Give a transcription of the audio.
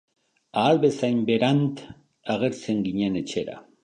Ahal bezain berant agertzen ginen etxera!